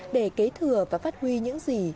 để kế thừa và phát huy những gì